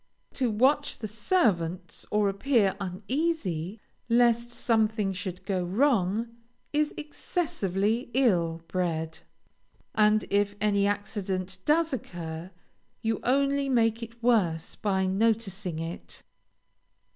To watch the servants, or appear uneasy, lest something should go wrong, is excessively ill bred, and if any accident does occur, you only make it worse by noticing it.